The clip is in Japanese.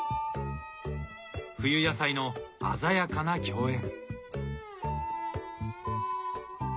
冬野菜の鮮やかな競演。